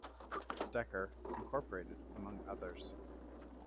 Decker, Incorporated among others.